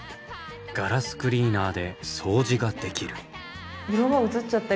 ガラスクリーナーで掃除ができる。